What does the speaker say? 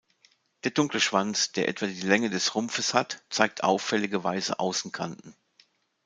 Der dunkle Schwanz, der etwa die Länge des Rumpfes hat, zeigt auffällige weiße Außenkanten.